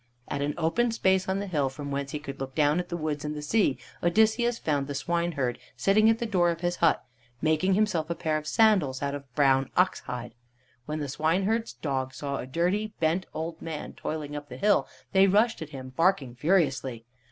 At an open space on the hill, from whence he could look down at the woods and the sea, Odysseus found the swineherd sitting at the door of his hut making himself a pair of sandals out of brown ox hide. When the swineherd's dogs saw a dirty, bent old man toiling up the hill, they rushed at him, barking furiously.